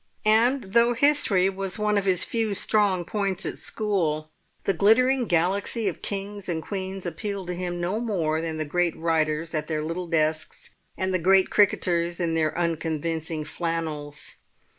And though history was one of his few strong points at school, the glittering galaxy of kings and queens appealed to him no more than the great writers at their little desks and the great cricketers in their unconvincing flannels.